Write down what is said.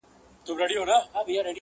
هم خوشال یې مور او پلار وه هم یې وړونه.